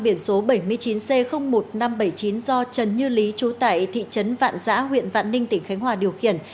xe ô tô bồn mang biển số bảy mươi chín c một nghìn năm trăm bảy mươi chín do trần như lý trú tại thị trấn vạn giã huyện vạn ninh tỉnh khánh hòa điều khiển